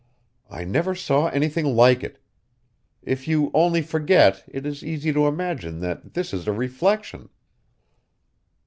I never saw anything like it. If you only forget, it is easy to imagine that this is a reflection!"